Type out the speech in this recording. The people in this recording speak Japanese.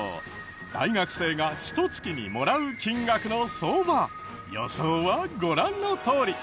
大学生がひと月にもらう金額の相場予想はご覧のとおり。